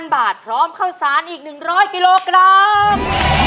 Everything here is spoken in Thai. บาทพร้อมข้าวสารอีก๑๐๐กิโลกรัม